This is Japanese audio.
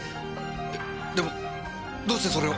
えでもどうしてそれを？